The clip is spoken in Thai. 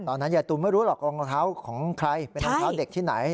ตอนนั้นเยอะตุ๋นไม่รู้หรอกรองเท้าของใครรองเท้าเด็กที่ไหน